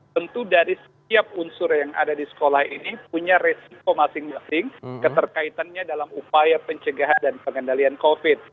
tentu dari setiap unsur yang ada di sekolah ini punya resiko masing masing keterkaitannya dalam upaya pencegahan dan pengendalian covid